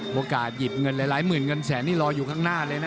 โอกาสหยิบเงินหลายหมื่นเงินแสนนี่รออยู่ข้างหน้าเลยนะ